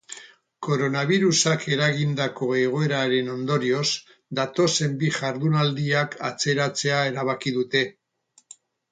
Koronabirusak eragindako egoeraren ondorioz, datozen bi jardunaldiak atzeratzea erabaki dute.